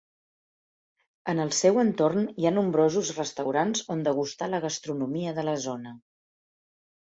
En el seu entorn hi ha nombrosos restaurants on degustar la gastronomia de la zona.